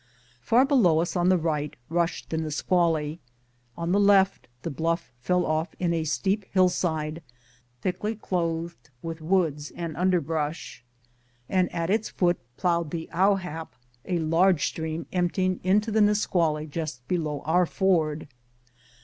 Far below us on the right rushed the Nisqually. On the left the bluff fell off in a steep hill side thickly clothed with woods and underbrush, and at its foot plowed the Owhap, a large stream emptying into the Nisqually just below our ford.